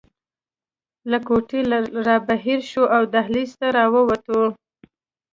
له کوټې رابهر شوو او دهلېز ته راووتو.